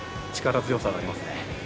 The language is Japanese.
力強さがありますね。